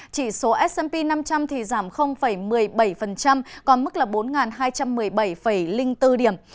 chỉ số s p năm trăm linh thì giảm một mươi bảy còn mức là bốn hai trăm một mươi bảy bốn điểm